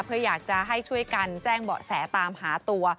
เพื่ออยากจะให้ช่วยกันแจ้งเบาะแสตามหาตัว